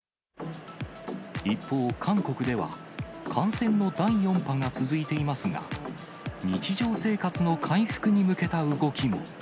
一方、韓国では、感染の第４波が続いていますが、日常生活の回復に向けた動きも。